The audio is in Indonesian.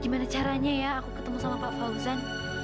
gimana caranya ya aku ketemu sama pak fauzan